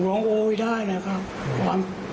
ความปวดโอ้อยและความหยุด